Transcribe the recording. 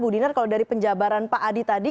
bu dinar kalau dari penjabaran pak adi tadi